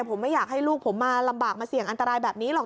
ผมไม่อยากให้ลูกผมมาลำบากมาเสี่ยงอันตรายแบบนี้หรอก